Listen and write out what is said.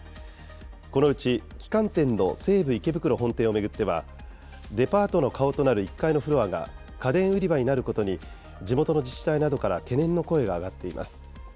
このうち旗艦店の西武池袋本店を巡っては、デパートの顔となる１階のフロアが家電売り場になることに、地元の自治体などから懸念の声が上がっています。